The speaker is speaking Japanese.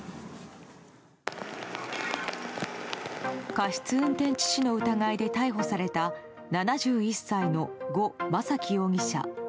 過失運転致死の疑いで逮捕された７１歳のゴ・マサキ容疑者。